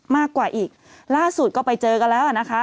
มากกว่าอีกล่าสุดก็ไปเจอกันแล้วนะคะ